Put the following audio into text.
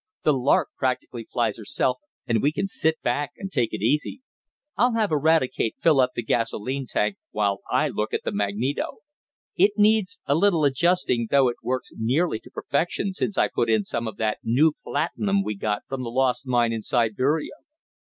The Lark practically flies herself, and we can sit back and take it easy. I'll have Eradicate fill up the gasolene tank, while I look at the magneto. It needs a little adjusting, though it works nearly to perfection since I put in some of that new platinum we got from the lost mine in Siberia."